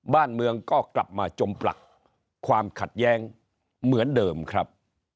บ้านเมืองก็กลับมาจมปลักความขัดแย้งเหมือนเดิมครับ